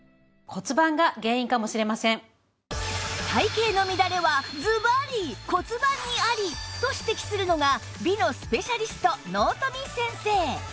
「体形の乱れはズバリ骨盤にあり！」と指摘するのが美のスペシャリスト納富先生